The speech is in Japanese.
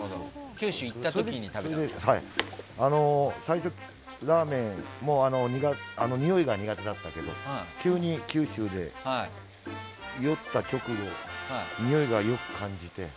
それで最初、ラーメンもにおいが苦手だったけど急に九州で、酔った直後においが良く感じて。